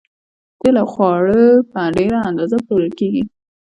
تیل او خواړه په ډیره اندازه پلورل کیږي